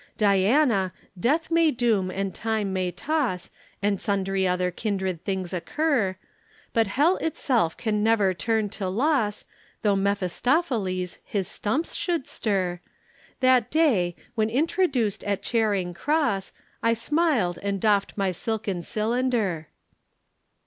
"'Diana, Death may doom and Time may toss, And sundry other kindred things occur, But Hell itself can never turn to loss, Though Mephistopheles his stumps should stir, That day, when introduced at Charing Cross, I smiled and doffed my silken cylinder.'